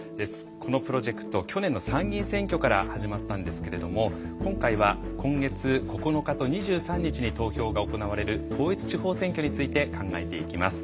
このプロジェクト去年の参議院選挙から始まったんですけれども今回は今月９日と２３日に投票が行われる統一地方選挙について考えていきます。